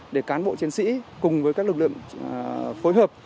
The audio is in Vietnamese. để cán bộ chiến sĩ cùng với các lực lượng phối hợp